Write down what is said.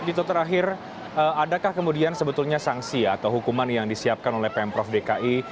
dito terakhir adakah kemudian sebetulnya sanksi atau hukuman yang disiapkan oleh pemprov dki